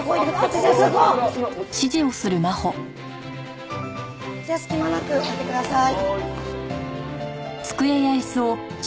違うそこ！じゃあ隙間なく置いてください。